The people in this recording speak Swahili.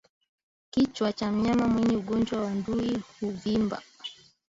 Kichwa cha mnyama mwenye ugonjwa wa ndui huvimba